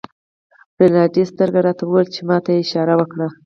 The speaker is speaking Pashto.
رینالډي سترګه راته ووهله چې ما ته یې اشاره وکړه.